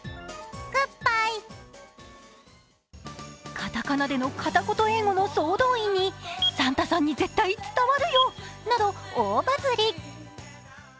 片仮名での片言英語の総動員にサンタさんに絶対伝わるよ！など大バズり。